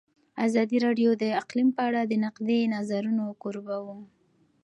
ازادي راډیو د اقلیم په اړه د نقدي نظرونو کوربه وه.